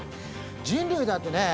人類だってねえ